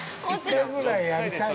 ◆１回ぐらいやりたい？